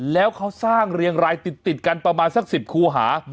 แล้วเขาสร้างเรียงรายติดกันประมาณสัก๑๐คูหา